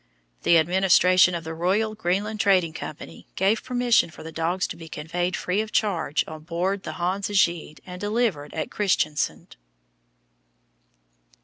The administration of the Royal Greenland Trading Company gave permission for the dogs to be conveyed free of charge on board the Hans Egede and delivered at Christiansand.